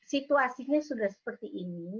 situasinya sudah seperti ini